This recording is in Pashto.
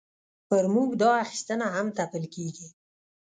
پر موږ دا اخیستنه هم تپل کېږي.